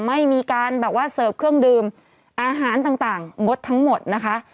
ไม่มีการแบบว่าเสิร์ฟเครื่องดื่มอาหารต่างงดทั้งหมดนะคะ